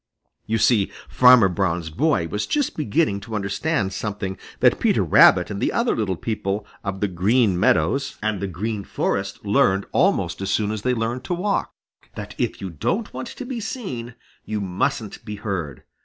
You see, Farmer Brown's boy was just beginning to understand something that Peter Rabbit and the other little people of the Green Meadows and the Green Forest learned almost as soon as they learned to walk, that if you don't want to be seen, you mustn't be heard.